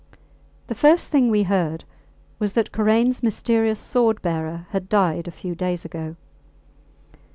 The first thing we heard was that Karains mysterious sword bearer had died a few days ago.